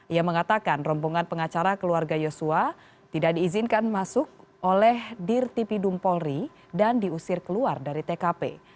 ia mengatakan rombongan pengacara keluarga yosua tidak diizinkan masuk oleh dirtipidum polri dan diusir keluar dari tkp